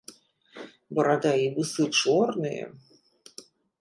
Барада і вусы чорныя.